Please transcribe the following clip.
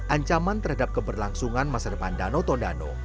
ancaman terhadap keberlangsungan masa depan danau tondano